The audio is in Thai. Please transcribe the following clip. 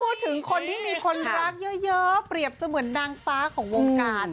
พูดถึงคนที่มีคนรักเยอะเปรียบเสมือนนางฟ้าของวงการ